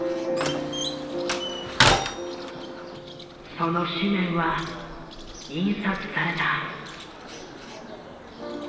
その紙面は印刷された。